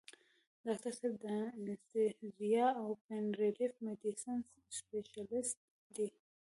ډاکټر صېب دانستهزيا او پين ريليف ميډيسن سپيشلسټ دے ۔